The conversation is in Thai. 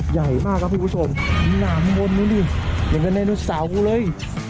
ใหญ่มากครับพี่ผู้ชมน้ำบนนู้นอย่างกันได้หนูสาวเลย